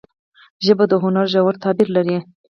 ژبه د هنر ژور تعبیر لري